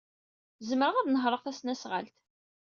Zemreɣ ad nehṛeɣ tasnasɣalt.